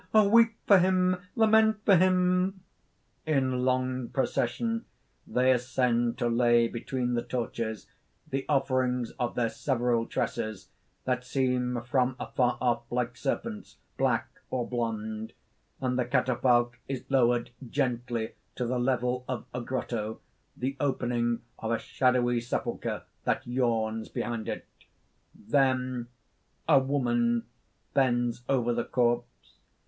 O weep for him! Lament for him!" (_In long procession they ascend to lay between the torches the offerings of their several tresses, that seem from afar off like serpents, black or blond; and the catafalque is lowered gently to the level of, a grotto, the opening of a shadowy sepulchre that yawns behind it._ Then ) A WOMAN (_bends over the corpse.